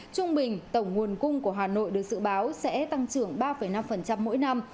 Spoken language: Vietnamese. trung bình tổng nguồn cung của hà nội được dự báo sẽ tăng trưởng ba năm mỗi năm